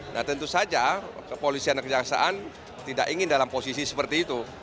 nah tentu saja kepolisian dan kejaksaan tidak ingin dalam posisi seperti itu